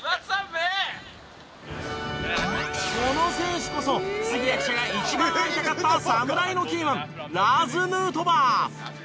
この選手こそ杉谷記者が一番会いたかった侍のキーマンラーズ・ヌートバー。